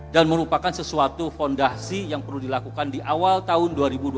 dan merupakan sesuatu fondasi yang perlu dilakukan di awal tahun dua ribu dua puluh lima